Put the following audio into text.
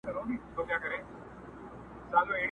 پرېږده چي لمبې پر نزله بلي کړي.!